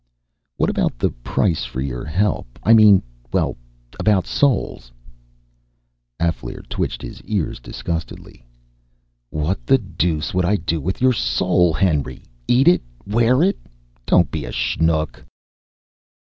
"What about the price for your help? I mean well, about souls...." Alféar twitched his ears disgustedly. "What the deuce would I do with your soul, Henry? Eat it? Wear it? Don't be a shnook!"